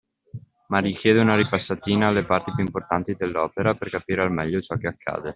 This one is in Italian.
Ma richiede una ripassatina alle parti più importanti dell’opera per capire al meglio ciò che accade.